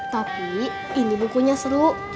tapi ini bukunya seru